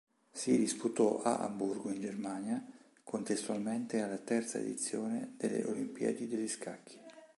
Si disputò a Amburgo, in Germania, contestualmente alla terza edizione delle Olimpiadi degli scacchi.